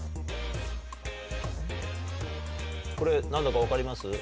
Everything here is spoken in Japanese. これ何だか分かります？